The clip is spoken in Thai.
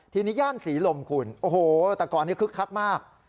ทีนี้ย่านศรีลมคุณโอ้โหแต่ก่อนนี้คึกคักมาก